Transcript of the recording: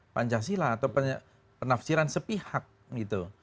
pancasila atau penafsiran sepihak gitu